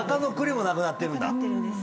なくなってるんです。